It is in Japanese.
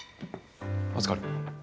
預かる。